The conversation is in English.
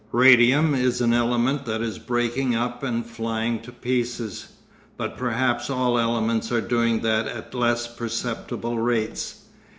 Radium is an element that is breaking up and flying to pieces. But perhaps all elements are doing that at less perceptible rates.